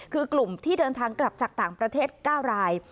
คือกลุ่มที่เดินทางกลับจากต่างประเทศ๙ราย